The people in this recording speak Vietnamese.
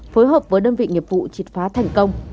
phối hợp với đơn vị nghiệp vụ triệt phá thành công